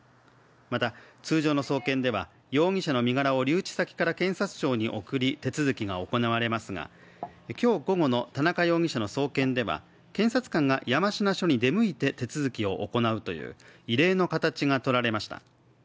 また、通常の送検では容疑者の身柄を留置先から検察庁に送り手続きが行われますが今日午後の田中容疑者の送検では検察官が山科署に出向いて手続きを行うという異例の形がとられました。